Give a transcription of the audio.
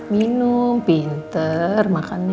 minum pinter makannya